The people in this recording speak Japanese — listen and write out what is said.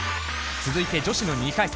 続いて女子の２回戦。